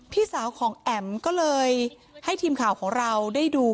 พี่สาวของแอ๋มก็เลยให้ทีมข่าวของเราได้ดู